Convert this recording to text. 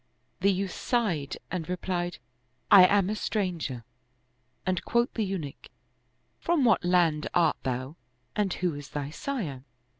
" The youth sighed and replied, " I am a stranger "; and quoth the Eunuch, " From what land art thou and who is thy sire?"